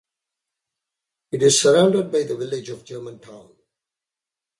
It is surrounded by the village of Germantown.